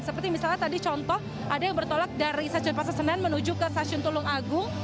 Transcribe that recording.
seperti misalnya tadi contoh ada yang bertolak dari stasiun pasar senen menuju ke stasiun tulung agung